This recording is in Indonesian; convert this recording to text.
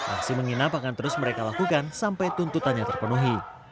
aksi menginap akan terus mereka lakukan sampai tuntutannya terpenuhi